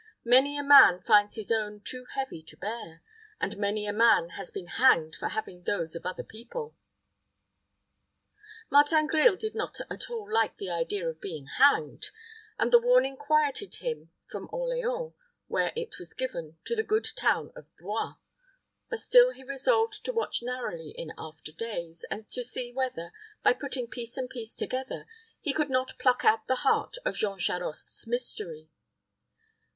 Many a man finds his own too heavy to bear, and many a man has been hanged for having those of other people." Martin Grille did not at all like the idea of being hanged, and the warning quieted him from Orleans, where it was given, to the good town, of Blois; but still he resolved to watch narrowly in after days, and to see whether, by putting piece and piece together, he could not pluck out the heart of Jean Charost's mystery.